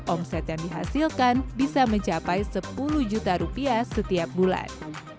omset yang dihasilkan bisa mencapai sepuluh juta rupiah setiap bulan